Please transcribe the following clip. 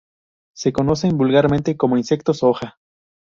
Se conocen vulgarmente como insectos hoja.